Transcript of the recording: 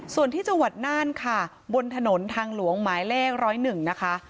ส่วนที่จังหวัดน่านค่ะบนถนนทางหลวงหมายแรกร้อยหนึ่งนะคะ